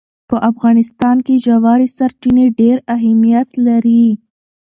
په افغانستان کې ژورې سرچینې ډېر اهمیت لري.